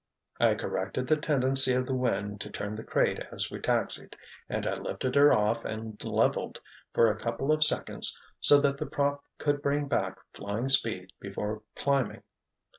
"I corrected the tendency of the wind to turn the crate as we taxied, and I lifted her off and leveled for a couple of seconds so that the prop could bring back flying speed before climbing."